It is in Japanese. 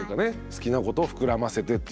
好きなことを膨らませてっていう。